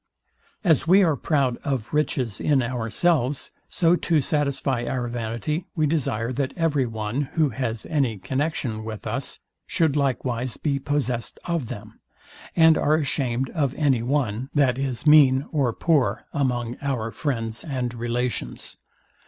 As we are proud of riches in ourselves, so to satisfy our vanity we desire that every one, who has any connexion with us, should likewise be possest of them, and are ashamed of any one, that is mean or poor, among our friends and relations.